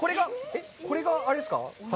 これがあれですか？